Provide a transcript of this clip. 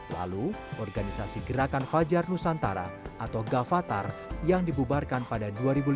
lalu organisasi gerakan fajar nusantara atau gavatar yang dibubarkan pada dua ribu lima belas